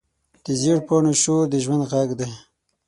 د زېړ پاڼو شور د ژوند غږ دی